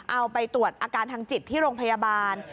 เอาไปตรวจอาการทางจิตที่โรงพยาบาล